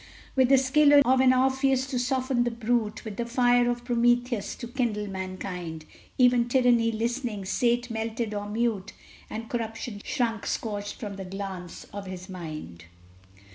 With the skill of an Orpheus to soften the brute; With the fire of Prometheus to kindle mankind; Even Tyranny, listening, sate melted or mute, And corruption shrunk scorched from the glance of his mind.